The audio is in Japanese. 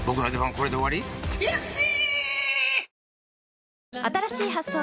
これで終わり⁉悔しい！